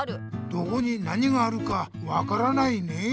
どこに何があるか分からないね。